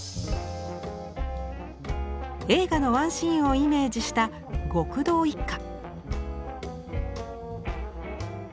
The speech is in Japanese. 映画のワンシーンをイメージした極道一家。